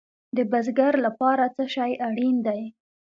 د بزګر لپاره څه شی اړین دی؟